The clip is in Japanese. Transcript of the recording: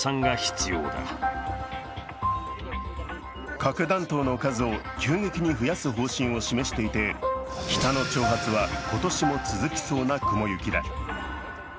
核弾頭の数を急激に増やす方針を示していて北の挑発は今年も続きそうな雲行きだ。